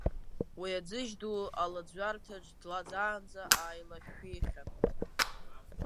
Уи аӡыжь ду алаӡҩарҭаҿ длаӡаанӡа, ааилашәшәихьан.